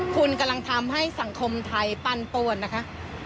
คุณกำลังทำให้สังคมไทยปันปวนนะคะ